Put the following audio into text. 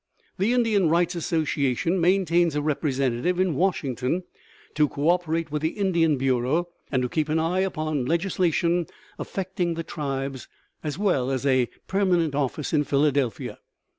The Indian Rights Association maintains a representative in Washington to coöperate with the Indian Bureau and to keep an eye upon legislation affecting the tribes, as well as a permanent office in Philadelphia.